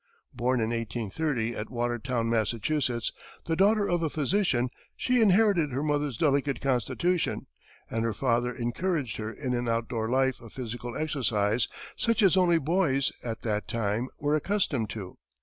Born in 1830, at Watertown, Massachusetts, the daughter of a physician, she inherited her mother's delicate constitution, and her father encouraged her in an outdoor life of physical exercise such as only boys, at that time, were accustomed to.